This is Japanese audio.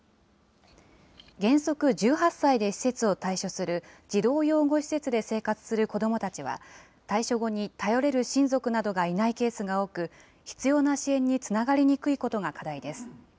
原則１８歳で施設を退所する児童養護施設で生活する子どもたちは、退所後に頼れる親族などがいないケースが多く、必要な支援につながりにくいことが課題です。